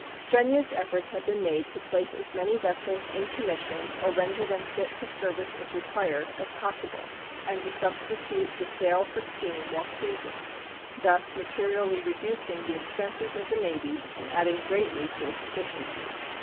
Strenuous efforts have been made to place as many vessels "in commission," or render them fit for service if required, as possible, and to substitute the sail for steam while cruising, thus materially reducing the expenses of the Navy and adding greatly to its efficiency.